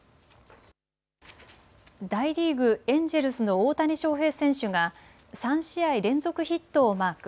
大リーグ、エンジェルスの大谷翔平選手が３試合連続ヒットをマーク。